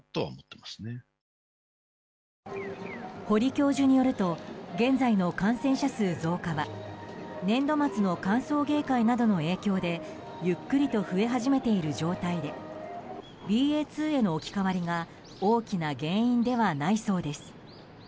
堀教授によると現在の感染者数増加は年度末の歓送迎会などの影響でゆっくりと増え始めている状態でＢＡ．２への置き換わりが大きな原因ではないそうです。